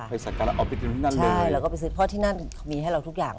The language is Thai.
ไปสักการณ์เอาไปซื้อที่นั่นเลยใช่แล้วก็ไปซื้อเพราะที่นั่นมีให้เราทุกอย่าง